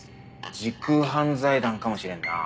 時空犯罪団かもしれんな。